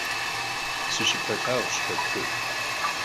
Си щыпэ лъагъущ хэкур.